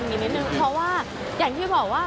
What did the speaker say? อย่างนี้นิดหนึ่งเพราะว่าอย่างที่บอกว่า